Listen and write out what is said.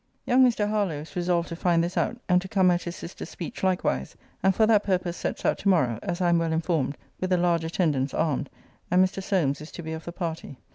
Young Mr. Harlowe is resolved to find this out, and to come at his sister's speech likewise: and for that purpose sets out to morrow, as I am well informed, with a large attendance armed; and Mr. Solmes is to be of the party.